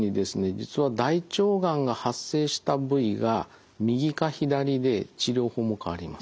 実は大腸がんが発生した部位が右か左で治療法も変わります。